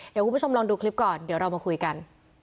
เดี๋ยวคุณผู้ชมลองดูคลิปก่อนเดี๋ยวเรามาคุยกัน